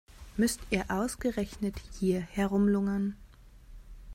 Müsst ihr ausgerechnet hier herumlungern?